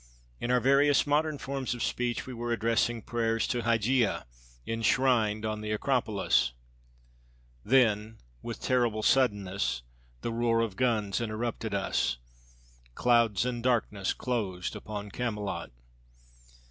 In our various modern forms of speech we were addressing prayers to Hygeia, enshrined on the Acropolis. Then, with terrible suddenness, the roar of guns interrupted us. Clouds and darkness Closed upon Camelot.